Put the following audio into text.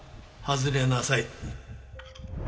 外れなさい。